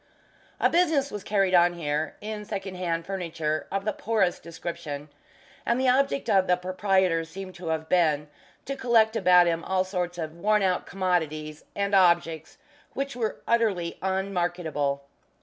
A business was carried on here in second hand furniture of the poorest description, and the object of the proprietor seemed to have been to collect about him all sorts of worn out commodities, and objects which were utterly unmarketable.